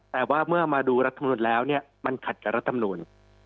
แต่ว่าเมื่อมาดูรัฐมนุนแล้วเนี่ยมันขัดกับรัฐมนูล